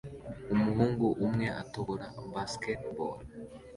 Umuhungu umwe atobora basketball